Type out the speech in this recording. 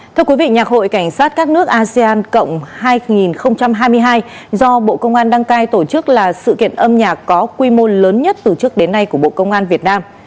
thưa quý vị nhạc hội cảnh sát các nước asean cộng hai nghìn hai mươi hai do bộ công an đăng cai tổ chức là sự kiện âm nhạc có quy mô lớn nhất từ trước đến nay của bộ công an việt nam